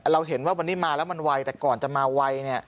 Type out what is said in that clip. เราเห็นว่าวันนี้มาแล้วมันไวแต่ก่อนจะมาไวเนี่ย